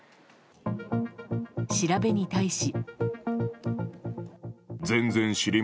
調べに対し。